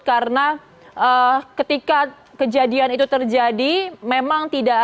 karena ketika kejadian itu terjadi memang tidak ada